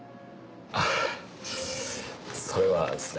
ああそれはですね